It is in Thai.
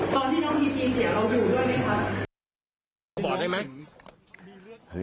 ตอนที่น้องพีพีเสียเราอยู่ด้วยไหมครับ